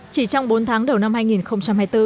chỉ trong bốn tháng đầu năm hai nghìn hai mươi bốn